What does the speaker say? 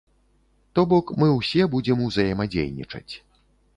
То бок мы ўсе будзем узаемадзейнічаць.